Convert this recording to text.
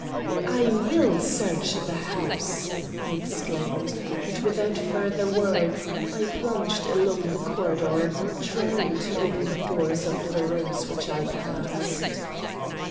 "I will search the house!" I exclaimed, and, without further words, I plunged along the corridor, trying to open the doors of the rooms which I passed.